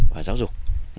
và giáo dục